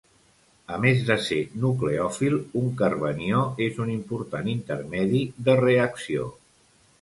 A més de ser nucleòfil, un carbanió és un important intermedi de reacció.